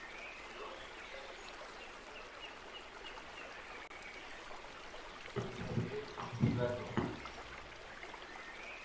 Leon y Claire aceptan reunirse en el Departamento de Policía de Raccoon.